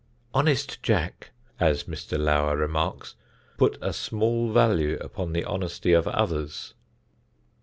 ("Honest Jack," as Mr. Lower remarks, put a small value upon the honesty of others.)